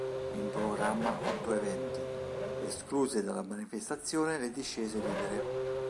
In programma otto eventi; escluse dalla manifestazione le discese libere.